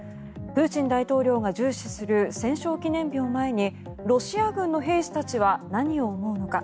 プーチン大統領が重視する戦勝記念日を前にロシア軍の兵士たちは何を思うのか。